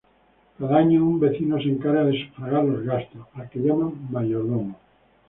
Cada año, un vecino se encarga de sufragar los gastos, al que llaman mayordomo.